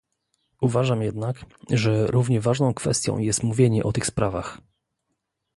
Uważam jednak, że równie ważną kwestią jest mówienie o tych sprawach